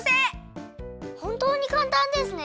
ほんとうにかんたんですね。